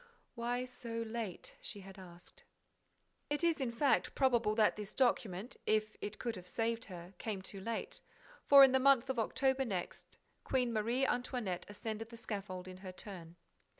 "Why so late?" she had asked. It is, in fact, probable that this document, if it could have saved her, came too late, for, in the month of October next, Queen Marie Antoinette ascended the scaffold in her turn.